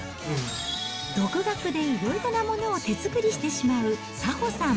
独学でいろいろなものを手作りしてしまう早穂さん。